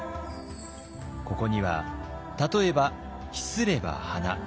ここには例えば「秘すれば花」